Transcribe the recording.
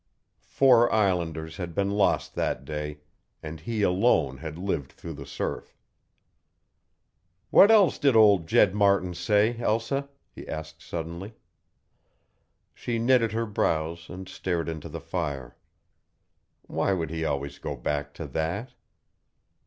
Four islanders had been lost that day, and he alone had lived through the surf. "What else did old Jed Martin say, Elsa?" he asked suddenly. She knitted her brows and stared into the fire. Why would he always go back to that?